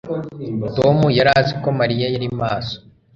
tom yari azi ko mariya yari maso